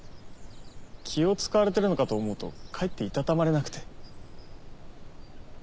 気を遣われてるのかと思うとかえっていたたまれなくて。